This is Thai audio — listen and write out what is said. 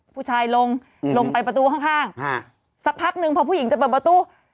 ผู้ชายลงลงไปประตูข้างสักพักหนึ่งพอผู้หญิงจะเปิดประตู